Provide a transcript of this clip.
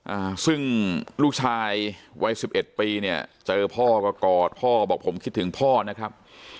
อ่าซึ่งลูกชายวัยสิบเอ็ดปีเนี่ยเจอพ่อก็กอดพ่อบอกผมคิดถึงพ่อนะครับ